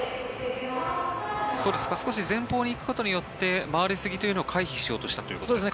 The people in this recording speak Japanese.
少し前方に行くことによって回りすぎというのを回避したということですか？